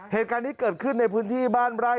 เหตุการณ์นี้เกิดขึ้นในพื้นที่บ้านไร่